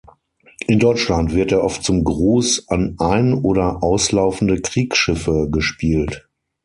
In Deutschland wird er oft zum Gruß an ein- oder auslaufende Kriegsschiffe gespielt.